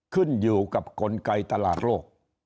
ขึ้นอยู่กับกลไกตลาดโลก